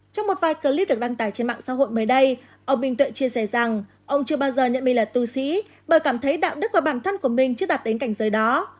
trong một vài clip được đăng tải trên mạng giáo hội mới đây ông bình tuệ chia sẻ rằng ông chưa bao giờ nhận mình là tu sĩ bởi cảm thấy đạo đức và bản thân của mình chưa đạt đến cảnh giới đó